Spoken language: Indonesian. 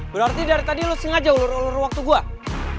berarti dari tadi lo sengaja berhenti sama ulan